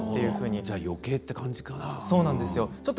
じゃあよけいという感じかな？